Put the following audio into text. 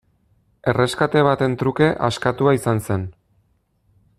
Erreskate baten truke askatua izan zen.